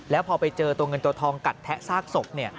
แล้วพอไปเจอตัวเงินตัวทองกัดแทะซากศพ